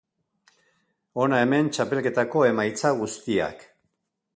Hona hemen, txapelketako emaitza guztiak.